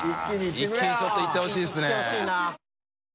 豕いちょっといってほしいですね。